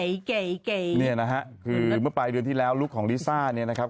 เก๋เนี่ยนะฮะคือเมื่อปลายเดือนที่แล้วลุคของลิซ่าเนี่ยนะครับ